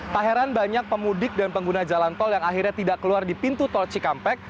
tak heran banyak pemudik dan pengguna jalan tol yang akhirnya tidak keluar di pintu tol cikampek